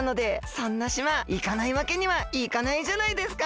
そんな島いかないわけにはいかないじゃないですか！